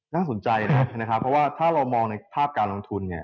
น่าสนใจนะครับเพราะว่าถ้าเรามองในภาพการลงทุนเนี่ย